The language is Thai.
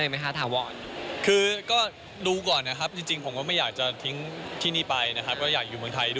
มันก็อาจติดขัด